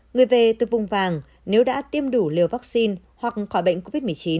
người về từ vùng vàng nếu đã tiêm đủ liều vaccine hoặc khỏi bệnh covid một mươi chín